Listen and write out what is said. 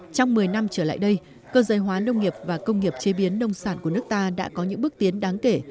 trong một mươi năm trở lại đây cơ giới hóa nông nghiệp và công nghiệp chế biến nông sản của nước ta đã có những bước tiến đáng kể